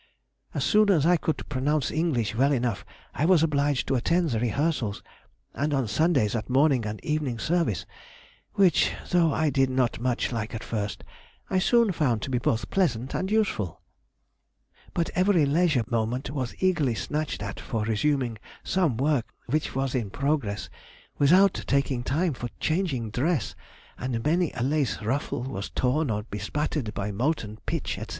As soon as I could pronounce English well enough I was obliged to attend the rehearsals, and on Sundays at morning and evening service, which, though I did not much like at first, I soon found to be both pleasant and useful. [Sidenote: 1775 1782. Life in Bath.] "But every leisure moment was eagerly snatched at for resuming some work which was in progress, without taking time for changing dress, and many a lace ruffle was torn or bespattered by molten pitch, &c.